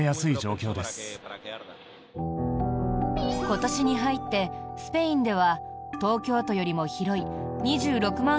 今年に入ってスペインでは東京都よりも広い２６万